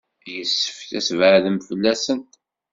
Yessefk ad tbeɛɛdem fell-asent.